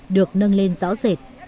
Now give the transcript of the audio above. được nâng lên rõ rệt